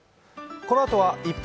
このあとは「１分！